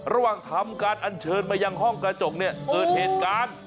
ระหว่างทำการอันเชิญมายังห้องกระจกเนี่ยเกิดเหตุการณ์